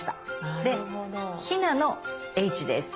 で日菜の「Ｈ」です。